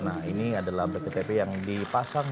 nah ini adalah bktp yang dipasang